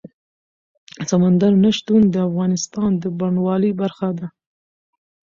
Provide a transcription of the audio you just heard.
سمندر نه شتون د افغانستان د بڼوالۍ برخه ده.